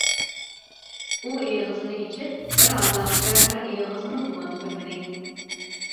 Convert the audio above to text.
ئۇ ئېغىزىنى ئېچىپ بىر ھازاغىچە بىر ئېغىزمۇ زۇۋان سۈرمىدى.